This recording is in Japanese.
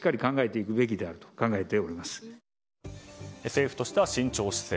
政府としては慎重姿勢。